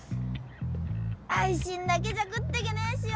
配信だけじゃ食ってけねえしよ。